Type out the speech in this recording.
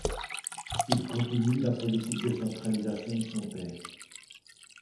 Il continue la politique de centralisation de son père.